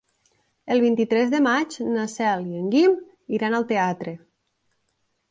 El vint-i-tres de maig na Cel i en Guim iran al teatre.